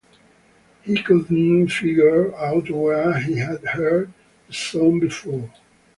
He couldn't figure out where he had heard the song before.